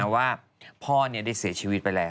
ว่าพ่อได้เสียชีวิตไปแล้ว